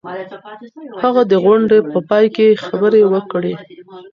هغه د غونډې په پای کي خبري وکړې.